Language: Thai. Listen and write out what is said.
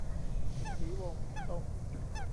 สีวง : ส้ม